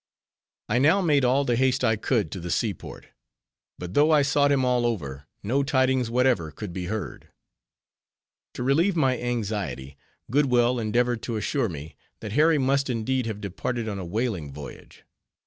I now made all the haste I could to the seaport, but though I sought him all over, no tidings whatever could be heard. To relieve my anxiety, Goodwell endeavored to assure me, that Harry must indeed have departed on a whaling voyage.